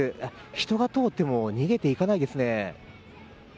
人が通っても逃げていかないですね。